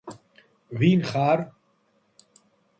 ვინ ხარ?